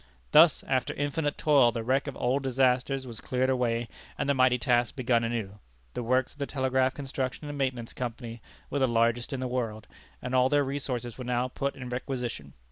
Thus after infinite toil, the wreck of old disasters was cleared away, and the mighty task begun anew. The works of the Telegraph Construction and Maintenance Company were the largest in the world, and all their resources were now put in requisition.